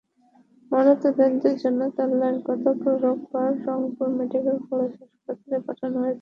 ময়নাতদন্তের জন্য তাঁর লাশ গতকাল রোববার রংপুর মেডিকেল কলেজ হাসপাতালে পাঠানো হয়েছে।